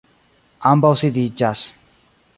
Ambaŭ sidiĝas.